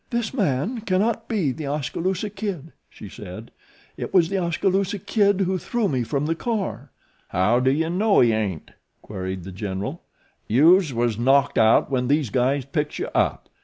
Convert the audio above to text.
"This man cannot be The Oskaloosa Kid," she said. "It was The Oskaloosa Kid who threw me from the car." "How do you know he ain't?" queried The General. "Youse was knocked out when these guys picks you up.